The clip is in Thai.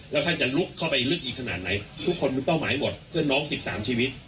แล้วท่านจะลุกเข้าไปลึกอีกขนาดไหนทุกคนมีเป้าหมายหมดเพื่อนน้อง๑๓ชีวิต